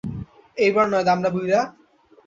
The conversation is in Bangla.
এইবার নয়, দামড়া বুইড়া।